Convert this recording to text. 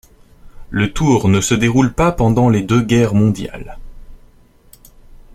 Le Tour ne se déroule pas pendant les deux guerres mondiales.